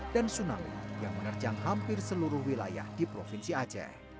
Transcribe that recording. dan tsunami yang menerjang hampir seluruh wilayah di provinsi aceh